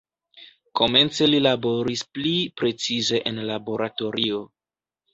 Komence li laboris pli precize en laboratorio.